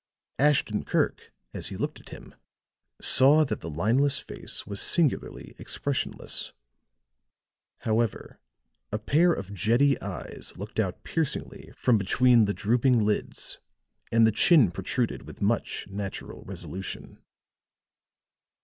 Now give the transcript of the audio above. Ashton Kirk, as he looked at him, saw that the lineless face was singularly expressionless; however, a pair of jetty eyes looked out piercingly from between the drooping lids and the chin protruded with much natural resolution.